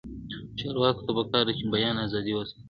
چارواکو ته پکار ده چې، بیان ازادي وساتي.